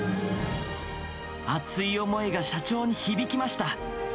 熱い思いが社長に響きました。